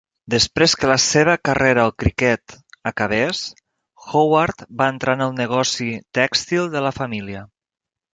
Després que la seva carrera al criquet acabés, Howard va entrar en el negoci tèxtil de la família.